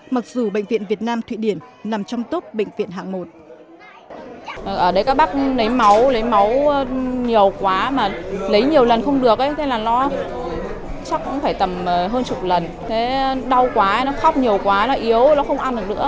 mặc dù bệnh viện việt nam thụy điển nằm trong tốt bệnh viện hạng một